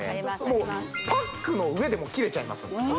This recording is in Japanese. もうパックの上で切れちゃいます